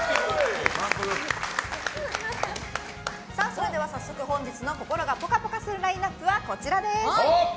それでは早速、本日の心がぽかぽかするラインアップはこちらです。